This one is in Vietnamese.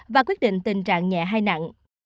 và quyết định tình trạng nhẹ hay nặng